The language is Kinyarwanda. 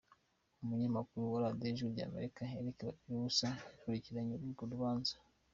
Umunyamakuru wa Radio Ijwi ry’Amerika, Eric Bagiruwubusa yakurikiranye urwo rubanza: